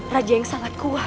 raja yang sangat kuat